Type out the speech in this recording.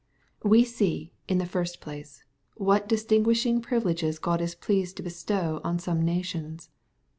We see, in the first place, what distinguishing pri*^ ' vileges Ood is pleased to bestow on some nations.